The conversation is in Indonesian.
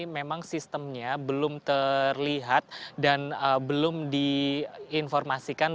memang sistemnya belum terlihat dan belum diinformasikan